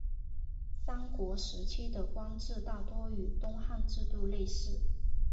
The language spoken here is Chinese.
三国时期的官制大多与东汉制度类似。